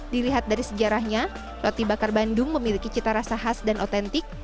dilihat dari sejarahnya roti bakar bandung memiliki cita rasa khas dan otentik